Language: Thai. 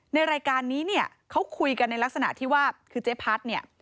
ในรายการนี้เนี่ยเขาคุยกันในลักษณะที่ว่าคือเจ๊พัดเนี่ย